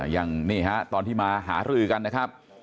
อย่างนี้ฮะตอนที่มาหารือกันนะครับ